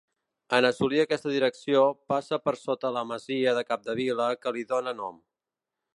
En assolir aquesta direcció, passa per sota la masia de Capdevila que li dóna nom.